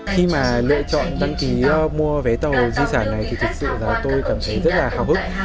khi mà lựa chọn đăng ký mua vé tàu di sản này thì thực sự là tôi cảm thấy rất là hào hức